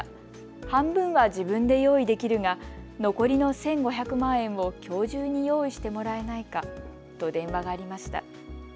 半分は自分で用意できるが残りの１５００万円をきょう中に用意してもらえないかと電話がありました。